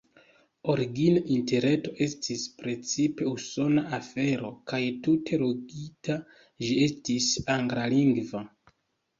Origine Interreto estis precipe usona afero kaj, tute logike, ĝi estis anglalingva.